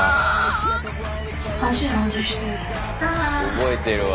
覚えてるわ。